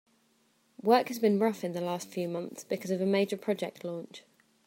Work has been rough in the last few months because of a major project launch.